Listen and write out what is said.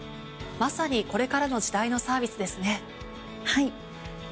まさにこれからの時代のサービスですね。